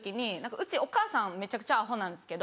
うちお母さんめちゃくちゃアホなんですけど。